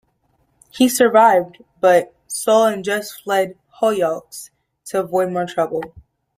He survived, but Sol and Jess fled Hollyoaks to avoid more trouble.